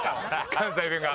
関西弁が。